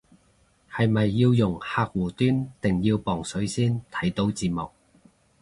係咪要用客戶端定要磅水先睇到字幕